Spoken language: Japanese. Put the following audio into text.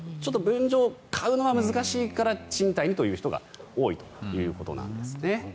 分譲、買うのは難しいから賃貸にという人が多いということなんですね。